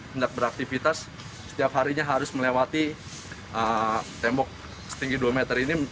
hendak beraktivitas setiap harinya harus melewati tembok setinggi dua meter ini